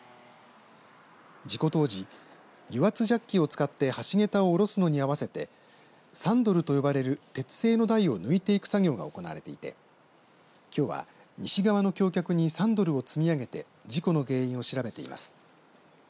事故当時、油圧ジャッキを使って橋桁を下ろすのに合わせてサンドルと呼ばれる鉄製の台を抜いていく作業が行われていてきょうは西側の橋脚にサンドルを積み上げて事故の原因を調べています。